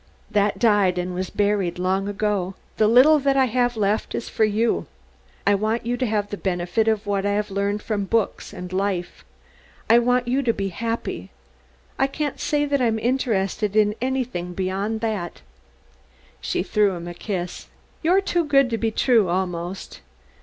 "That died and was buried long ago. The little that I have left is for you. I want you to have the benefit of what I have learned from books and life; I want you to be happy I can't say that I'm interested in anything beyond that." She threw him a kiss. "You're too good to be true almost."